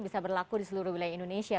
bisa berlaku di seluruh wilayah indonesia